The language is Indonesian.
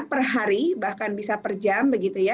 per hari bahkan bisa per jam